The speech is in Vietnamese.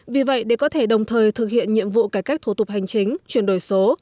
vì vậy để có thể đồng thời thực hiện nhiệm vụ cải cách thủ tục hành chính chuyển đổi số